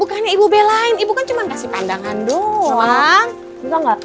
bukannya ibu belain ibu kan cuma kasih pandangan doang